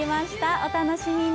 お楽しみに。